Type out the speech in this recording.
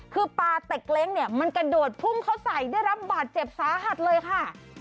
คือปลาเต็กเล้งเนี่ยมันกระโดดพุ่งเขาใส่ได้รับบาดเจ็บสาหัสเลยค่ะ